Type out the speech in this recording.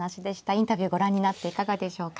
インタビューご覧になっていかがでしょうか。